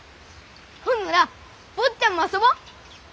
ほんなら坊ちゃんも遊ぼう。